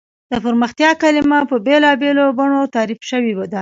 د پرمختیا کلیمه په بېلا بېلو بڼو تعریف شوې ده.